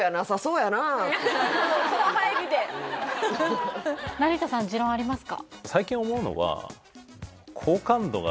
その入りで成田さん持論ありますか？